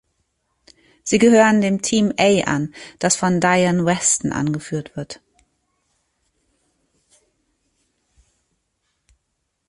Sie gehören dem "Team A" an, das von Diane Weston angeführt wird.